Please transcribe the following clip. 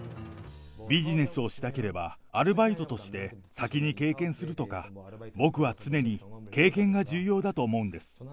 ビジネスをしたければ、アルバイトとして先に経験するとか、僕は常に経験が重要だと思うんです。